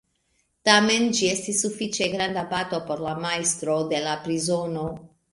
Tamen, ĝi estis sufiĉe granda bato por la mastroj de la prizono.